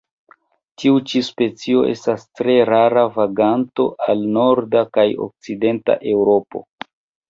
Tiu ĉi specio estas tre rara vaganto al norda kaj okcidenta Eŭropo.